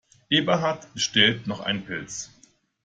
Eberhard bestellt noch ein Pils.